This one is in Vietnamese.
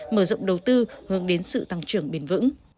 mở rộng đầu tư hướng đến sự tăng trưởng bền vững